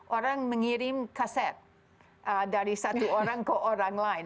orang mengirim kaset dari satu orang ke orang lain